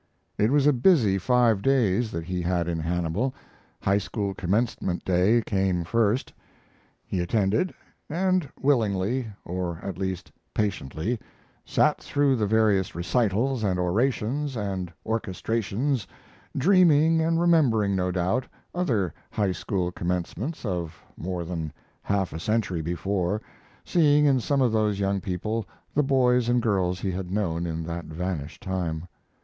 It was a busy five days that he had in Hannibal. High school commencement day came first. He attended, and willingly, or at least patiently, sat through the various recitals and orations and orchestrations, dreaming and remembering, no doubt, other high school commencements of more than half a century before, seeing in some of those young people the boys and girls he had known in that vanished time.